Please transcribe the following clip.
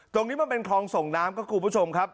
ตรงนี้มันเป็นคลองส่งน้ำครับคุณผู้ชมครับ